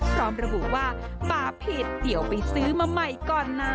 พร้อมระบุว่าปลาผิดเดี๋ยวไปซื้อมาใหม่ก่อนนะ